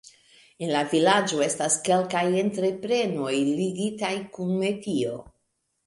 En la vilaĝo estas kelkaj entreprenoj ligitaj kun metio.